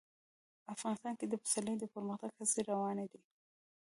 افغانستان کې د پسرلی د پرمختګ هڅې روانې دي.